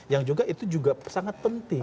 yang juga itu juga sangat penting